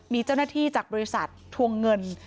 มีเจ้าหน้าที่จากบริษัททวงเงิน